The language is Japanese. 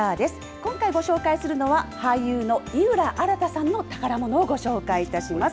今回、ご紹介するのは俳優の井浦新さんの宝ものをご紹介します。